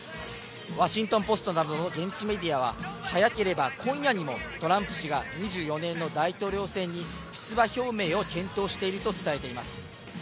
ワシントンポストなどの現地メディアは早ければ今夜にもトランプ氏が２４年の大統領選に出馬表明を検討していると伝えています。